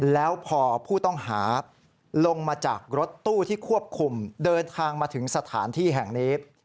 แล้วพอผู้ต้องหาลงมาจากรถตู้ที่ควบคุมเดินทางมาถึงสถานที่แห่งนี้